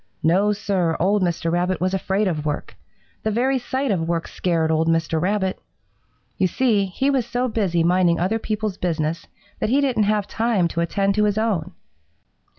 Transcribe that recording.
No, Sir, old Mr. Rabbit was afraid of work. The very sight of work scared old Mr. Rabbit. You see, he was so busy minding other people's business that he didn't have time to attend to his own.